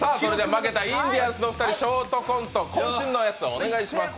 負けたインディアンスのお二人ショートコント、こん身のやつお願いします。